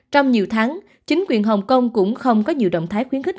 trong nhiều tháng chính quyền hồng kông cũng không có nhiều động thái khuyến khích